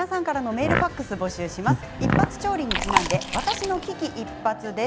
イッパツ調理にちなんで私の危機一髪です。